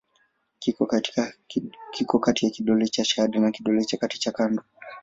Kiko kati ya kidole cha shahada na kidole cha kati cha kando.